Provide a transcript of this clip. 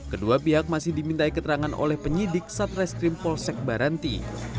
kedua pihak masih dimintai keterangan oleh penyidik satreskrim polsek baranti